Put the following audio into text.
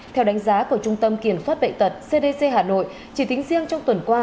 theo đánh giá của trung tâm kiểm soát bệnh tật cdc hà nội chỉ tính riêng trong tuần qua